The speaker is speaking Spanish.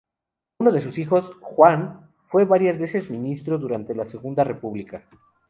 Uno de sus hijos, Juan, fue varias veces ministro durante la Segunda República.